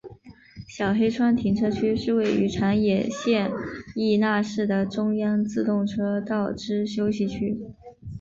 小黑川停车区是位于长野县伊那市的中央自动车道之休息区。